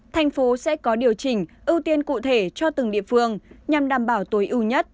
thành phố sẽ có điều chỉnh ưu tiên cụ thể cho từng địa phương nhằm đảm bảo tối ưu nhất